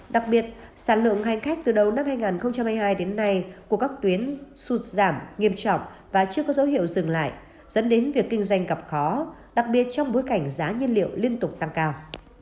đặc biệt sản lượng hành khách từ đầu năm hai nghìn hai mươi hai đến nay của các tuyến sụt giảm nghiêm trọng và chưa có dấu hiệu dừng lại dẫn đến việc kinh doanh gặp khó đặc biệt trong bối cảnh giá nhiên liệu liên tục tăng cao